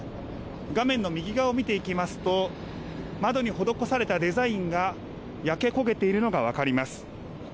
画面の右側を見ていきますと、窓に施されたデザインが焼け焦げているのが分かります。